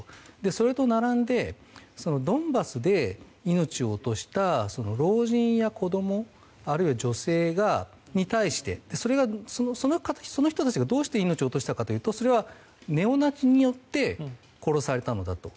それと並んでドンバスで命を落とした老人や子供あるいは女性に対してその人たちがどうして命を落としたかというとそれはネオナチによって殺されたのだと。